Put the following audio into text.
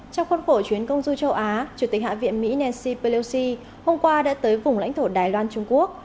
trong khuôn khổ chuyến công du châu á chủ tịch hạ viện mỹ nancy pelosi hôm qua đã tới vùng lãnh thổ đài loan trung quốc